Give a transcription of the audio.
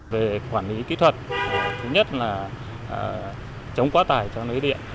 về quản lý kỹ thuật thứ nhất là chống quá tải cho lưới điện